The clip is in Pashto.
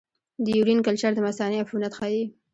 د یورین کلچر د مثانې عفونت ښيي.